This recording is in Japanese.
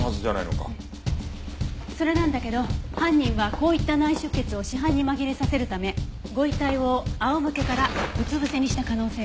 それなんだけど犯人はこういった内出血を死斑に紛れさせるためご遺体を仰向けからうつ伏せにした可能性が高い。